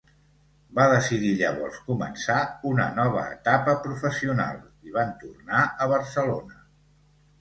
Va decidir llavors començar una nova etapa professional i van tornar a Barcelona.